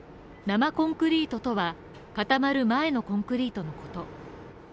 生コンクリートとは、固まる前のコンクリートのこと。